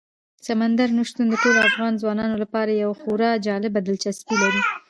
سمندر نه شتون د ټولو افغان ځوانانو لپاره یوه خورا جالب دلچسپي لري.